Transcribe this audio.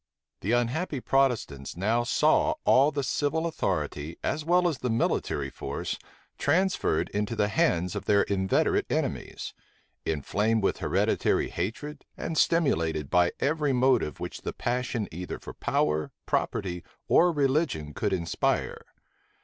The unhappy Protestants now saw all the civil authority, as well as the military force, transferred into the *hands of their inveterate enemies; inflamed with hereditary hatred, and stimulated by every motive which the passion either for power, property, or religion could inspire.